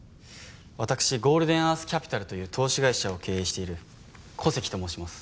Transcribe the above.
私ゴールデンアースキャピタルという投資会社を経営している古関と申します。